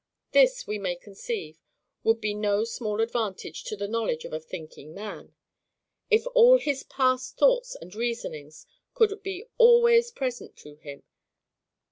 This, we may conceive, would be no small advantage to the knowledge of a thinking man,—if all his past thoughts and reasonings could be ALWAYS present to him.